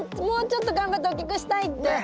もうちょっと頑張って大きくしたいって。